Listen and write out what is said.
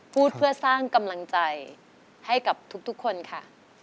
พูดเพื่อสร้างกำลังใจให้กับทุกคนค่ะ